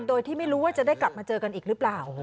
โดยที่ไม่รู้ว่าจะได้กลับมาเจอกันอีกหรือเปล่า